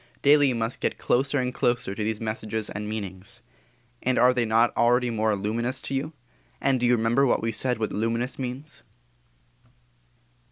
Daily you must get closer and closer to these messages and meanings. And are they not already more luminous to you? And do you remember what we said luminous means?